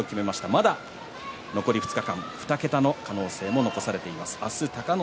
まだ残り２日間２桁の可能性も残されています。